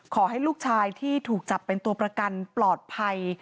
ขอให้ลูกชายที่ถูกจับเป็นตัวประกันปลอดภัย